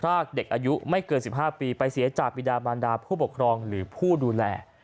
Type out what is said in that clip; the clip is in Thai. รากเด็กอายุไม่เกิน๑๕ปีไปเสียจากบิดามันดาผู้ปกครองหรือผู้ดูแล